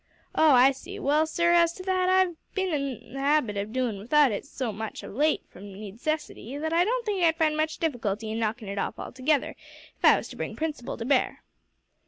"Oh, I see. Well, sir, as to that, I've bin in the 'abit of doin' without it so much of late from needcessity, that I don't think I'd find much difficulty in knocking it off altogether, if I was to bring principle to bear."